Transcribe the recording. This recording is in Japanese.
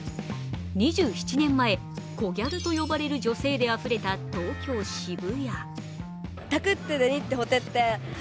２７年前、コギャルと呼ばれる女性であふれた東京・渋谷。